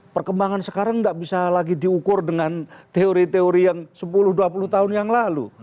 perkembangan sekarang tidak bisa lagi diukur dengan teori teori yang sepuluh dua puluh tahun yang lalu